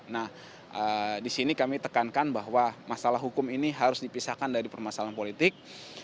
nah di sini kami tekankan bahwa masalah hukum ini harus dipisahkan dari permasalahan politik